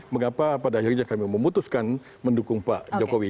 mengapa pada akhirnya kami memutuskan mendukung pak jokowi